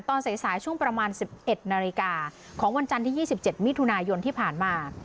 ตอนใส่สายช่วงประมาณสิบเอ็ดนาฬิกาของวันจันทร์ที่ยี่สิบเจ็ดมีดทุนายนที่ผ่านมา